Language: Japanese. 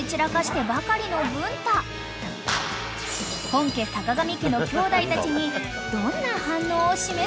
［本家坂上家のきょうだいたちにどんな反応を示すのか］